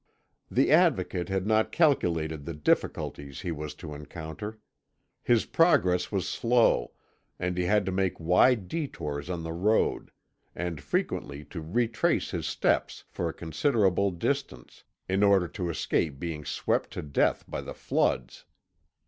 The Advocate had not calculated the difficulties he was to encounter; his progress was slow, and he had to make wide detours on the road, and frequently to retrace his steps for a considerable distance, in order to escape being swept to death by the floods.